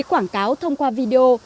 quảng cáo thông qua video